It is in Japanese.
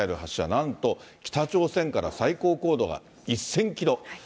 なんと北朝鮮から最高高度が１０００キロ。